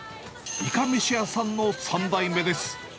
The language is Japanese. いかめし屋さんの３代目です。